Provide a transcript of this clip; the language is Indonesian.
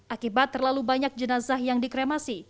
akibat terlalu banyak jenazah yang dikremasi